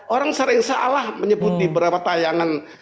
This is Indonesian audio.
orang sering salah menyebut di beberapa tayangan